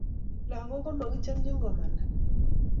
lakok komakichamchi kumanda